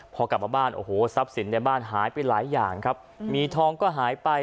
พอกลับมาบ้านโอ้โหทรัพย์สินในบ้านหายไปหลายอย่างครับมีทองก็หายไป